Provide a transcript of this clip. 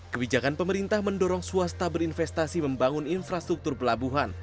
kebijakan pemerintah mendorong swasta berinvestasi membangun infrastruktur pelabuhan